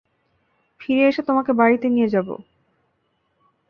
ফিরে এসে তোমাকে বাড়িতে নিয়ে যাবো।